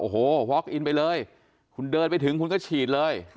โอ้โหวอคอินไปเลยคุณเดินไปถึงคุณก็ฉีดเลย